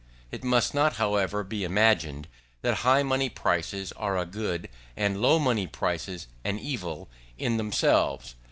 It must not, however, be imagined that high money prices are a good, and low money prices an evil, in themselves.